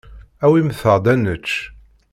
Awimt-aɣ-d ad nečč.